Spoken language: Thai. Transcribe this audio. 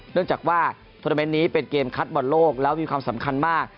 เนื่องจากว่าโทรเมนต์นี้เป็นเกมคัดบอลโลกแล้วมีความสำคัญมาก